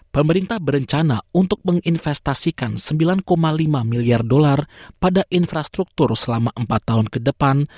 pemerintah berencana untuk menginvestasikan sembilan lima miliar dolar pada infrastruktur selama empat tahun ke depan